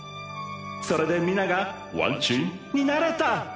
それで皆がワンチームになれた。